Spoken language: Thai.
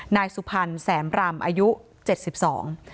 นายสุพรรณแสนรำอายุเจ็ดสิบสอง